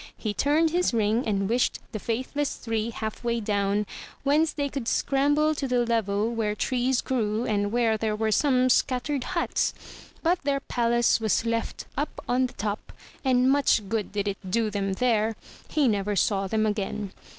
He turned his ring, and wished the faithless three half way down, whence they could scramble to the level, where trees grew and where there were some scattered huts. But their palace was left up on the top; and much good did it do them there! He never saw them again.